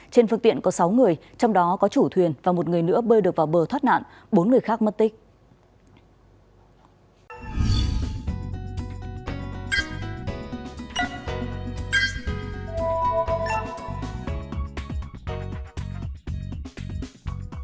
trên phương tiện có sáu người trong đó có chủ thuyền và một người nữa bơi được vào bờ thoát nạn bốn người khác mất tích